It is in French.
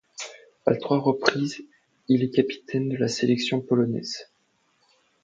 A trois reprises, il est capitaine de la sélection polonaise.